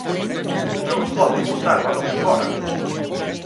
¡Non poden botar balóns fóra!